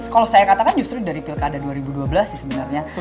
kalau saya katakan justru dari pilkada dua ribu dua belas sih sebenarnya